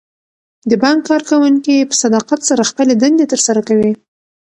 د بانک کارکوونکي په صداقت سره خپلې دندې ترسره کوي.